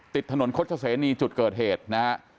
ติดถนนคดเฉศรีนีจุดเกิดเหตุนะฮะ